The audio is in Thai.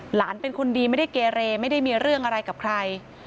หลานเป็นคนดีไม่ได้เกเรไม่ได้มีเรื่องอะไรกับใคร